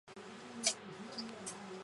耿浩一时惊呆。